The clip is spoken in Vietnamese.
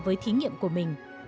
với thí nghiệm của mình